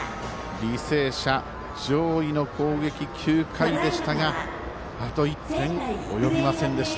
履正社上位の攻撃９回でしたがあと１点、及びませんでした。